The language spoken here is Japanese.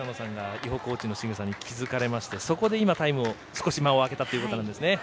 井保コーチのしぐさに気付かれましてそこで少し間を空けたということですね。